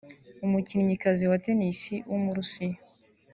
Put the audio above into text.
umukinnyikazi wa Tennis w’umurusiya